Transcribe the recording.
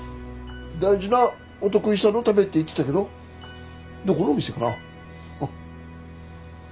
大事なお得意さんのためって言ってたけどどこのお店かな。